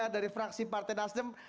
dari fraksi partai nasdem